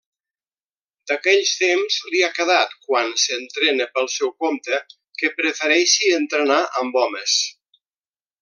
D'aquells temps li ha quedat, quan s'entrena pel seu compte, que prefereixi entrenar amb homes.